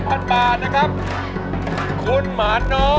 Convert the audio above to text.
ร้องได้ให้ร้าน